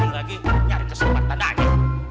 ini lagi nyari kesempatan aja